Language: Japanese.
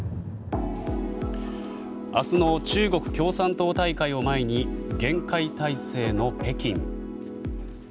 明日の中国共産党大会を前に厳戒態勢の北京。